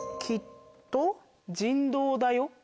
「きっと人道だよ」。